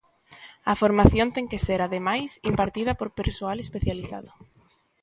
A formación ten que ser, ademais, impartida por persoal especializado.